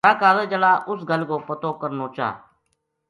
مھہار کالج ہالا اس گل کو پتو کرنو چا